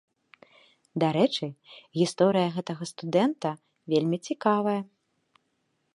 Дарэчы, гісторыя гэтага студэнта вельмі цікавая.